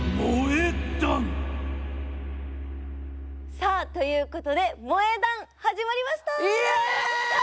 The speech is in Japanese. さあということで「萌え断」始まりました！